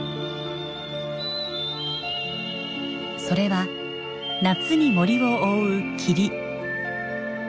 それは夏に森を覆う霧。